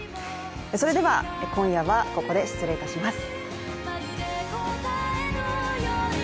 それでは今夜はここで失礼いたします。